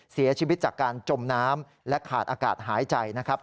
เสียชีวิตจากการจมน้ำและขาดอากาศหายใจนะครับ